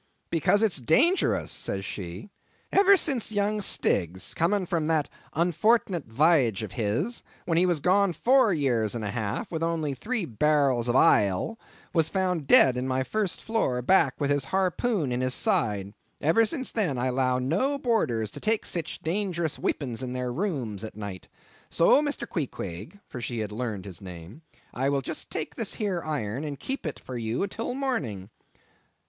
"Because it's dangerous," says she. "Ever since young Stiggs coming from that unfort'nt v'y'ge of his, when he was gone four years and a half, with only three barrels of ile, was found dead in my first floor back, with his harpoon in his side; ever since then I allow no boarders to take sich dangerous weepons in their rooms at night. So, Mr. Queequeg" (for she had learned his name), "I will just take this here iron, and keep it for you till morning.